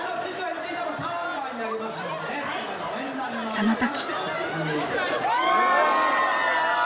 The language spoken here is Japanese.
その時。